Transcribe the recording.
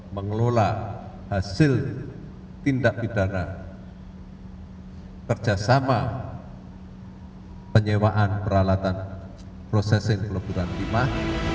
mengelola hasil tindak pidana kerjasama penyewaan peralatan processing peleburan timah